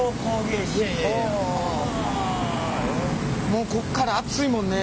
もうこっから暑いもんね。